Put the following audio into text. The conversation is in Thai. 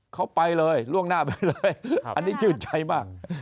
เขาไปเลยล่วงหน้าไปเลยอันนี้ชื่นใจมาก